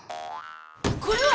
これは！